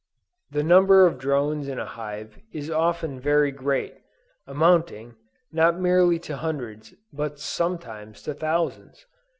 The number of drones in a hive is often very great, amounting, not merely to hundreds, but sometimes to thousands.